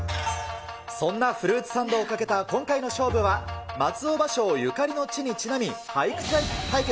そんなフルーツサンドをかけた今回の勝負は、松尾芭蕉ゆかりの地にちなみ、俳句対決。